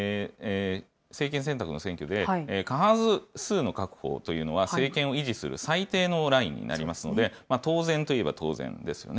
過半数の確保というのは、政権を維持する最低のラインになりますので、当然といえば当然ですよね。